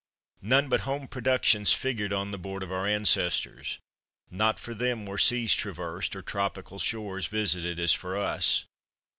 None but home productions figured on the board of our ancestors. Not for them were seas traversed, or tropical shores visited, as for us.